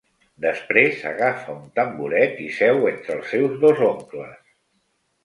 Després agafa un tamboret i seu entre els seus dos oncles.